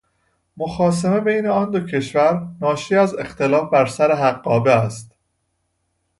مخاصمه بین آن دو کشور ناشی از اختلاف بر سر حقابه است